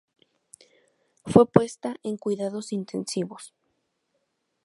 Fue puesta en cuidados intensivos.